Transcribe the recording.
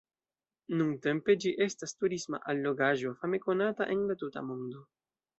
Nuntempe ĝi estas turisma allogaĵo fame konata en la tuta mondo.